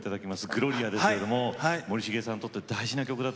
「ＧＬＯＲＩＡ」ですけれども森重さんにとって大事な曲だと思います。